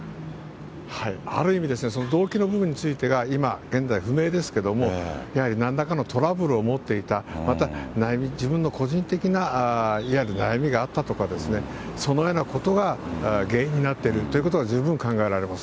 ある意味、その動機の部分についてが今現在不明ですけれども、やはりなんらかのトラブルを持っていた、また、自分の個人的ないわゆる悩みがあったとかですね、そのようなことが原因になっているということが十分考えられます。